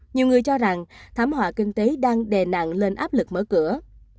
nhiều người cho rằng thảm họa kinh tế đang đè nặng lên áp lực mở cửa